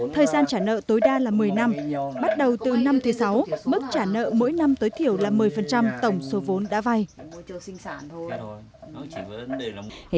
thời gian trả nợ tối đa là một mươi năm bắt đầu từ năm thứ sáu mức trả nợ mỗi năm tối thiểu là một mươi tổng số vốn đã vay